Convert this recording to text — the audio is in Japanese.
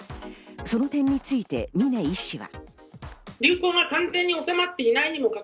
その点について峰医師は。